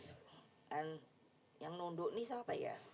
dan yang nunduk ini siapa ya